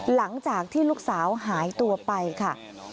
หลังจากที่ลูกสาวหายตัวไปค่ะ